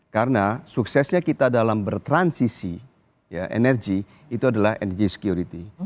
karena suksesnya kita dalam bertransisi energi itu adalah energy security